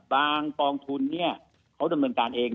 บางกองทุนเขาดำเนินการเอง